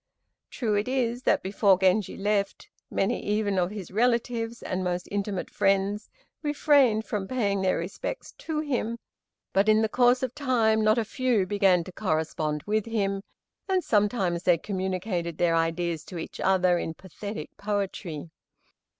True it is that before Genji left, many even of his relatives and most intimate friends refrained from paying their respects to him, but in the course of time not a few began to correspond with him, and sometimes they communicated their ideas to each other in pathetic poetry.